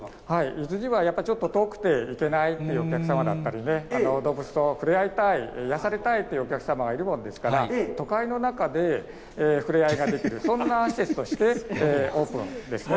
伊豆にはやっぱりちょっと遠くて行けないというお客様だったりね、動物と触れ合いたい、癒やされたいというお客様がいるもんですから、都会の中で触れ合いができる、そんな施設として、オープンですね。